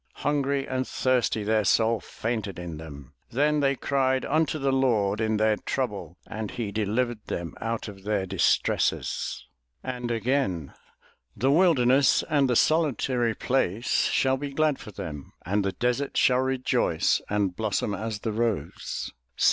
"Hungry and thirsty their soul fainted in them; "Then they cried unto the Lord in their trouble and he de livered them out of their distresses." And again: "The wilderness and the solitary place shall be glad for them; and the desert shall rejoice and blossom as the rose.